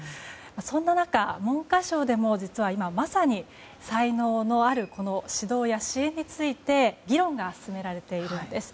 そんな中、文科省でも実は今まさに才能のある子の指導や支援について議論が進められているんです。